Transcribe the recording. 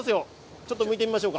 ちょっと抜いてみましょうか。